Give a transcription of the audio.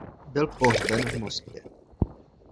Byl pohřben v Moskvě.